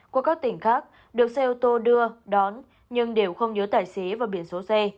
qua các tỉnh khác được xe ô tô đưa đón nhưng đều không nhớ tài xế và biển số xe